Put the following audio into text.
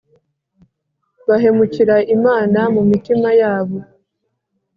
bahemukira imana mu mitima yabo”